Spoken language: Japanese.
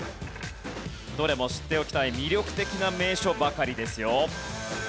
どれも知っておきたい魅力的な名所ばかりですよ。